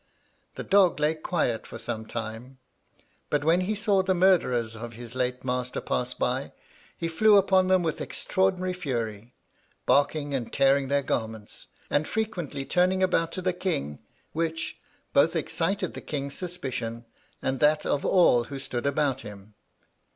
The dog lay quiet for some time; but when he saw the murderers of his late master pass by, he flew upon them with extraordinary fury, barking, and tearing their garments, and frequently turning about to the king; which both excited the king's suspicion, and that of all who stood about him.